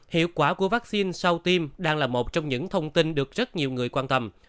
hiệu quả của vaccine sau tiêm đang là một trong những thông tin được rất nhiều người quan tâm